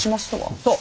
そう。